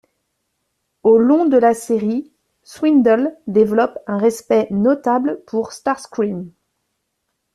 Au long de la série, Swindle développe un respect notable pour Starscream.